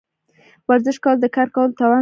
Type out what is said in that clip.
ورزش کول د کار کولو توان زیاتوي.